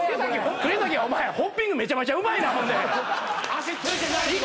国崎お前ホッピングめちゃめちゃうまいなほんで。